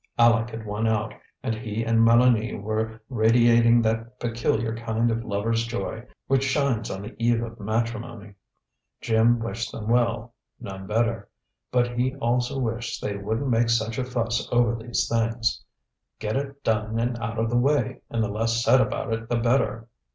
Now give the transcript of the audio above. Aleck had won out, and he and Mélanie were radiating that peculiar kind of lover's joy which shines on the eve of matrimony. Jim wished them well none better but he also wished they wouldn't make such a fuss over these things. Get it done and out of the way, and the less said about it the better.